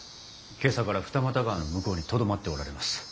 今朝から二俣川の向こうにとどまっておられます。